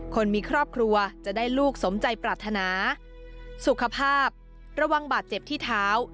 คนมีครอบครัวจะได้ลูกสมใจปรารถนาสุขภาพระวังบาดเจ็บที่เท้า